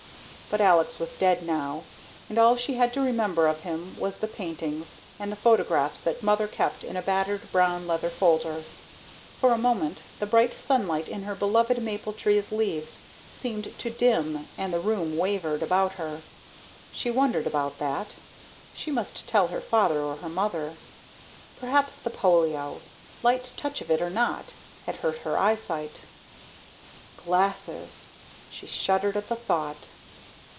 But Alex was dead now and all she had to remember of him was the paintings and the photographs that Mother kept in a battered brown leather folder. For a moment the bright sunlight in her beloved maple tree's leaves seemed to dim and the room wavered about her. She wondered about that. She must tell her father or her mother. Perhaps the polio, light touch of it or not, had hurt her eyesight. Glasses! She shuddered at the thought.